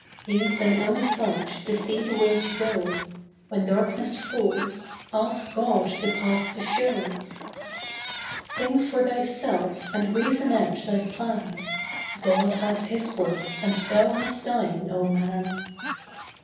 Use thine own sight to see the way to go; When darkness falls ask God the path to show. Think for thyself and reason out thy plan; God has His work and thou hast thine, oh, man.